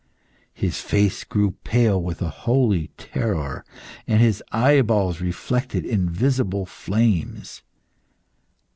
His face grew pale with a holy terror, and his eyeballs reflected invisible flames.